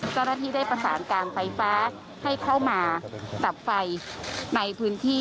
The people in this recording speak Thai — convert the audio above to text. เจ้าหน้าที่ได้ประสานการไฟฟ้าให้เข้ามาดับไฟในพื้นที่